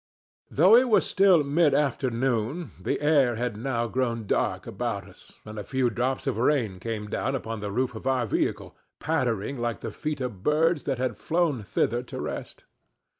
Though it was still mid afternoon, the air had now grown dark about us, and a few drops of rain came down upon the roof of our vehicle, pattering like the feet of birds that had flown thither to rest.